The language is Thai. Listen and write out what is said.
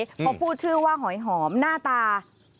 เขาพูดชื่อว่าหอยหอมหน้าตา